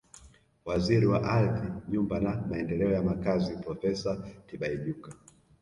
Waziri wa Ardhi Nyumba na Maendeleo ya Makazi Profesa Tibaijuka